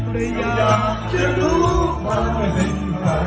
ไม่อยากจะรู้ว่าไม่เป็นใคร